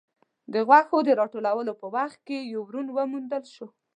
د غوښو د راټولولو په وخت کې يو ورون وموندل شو.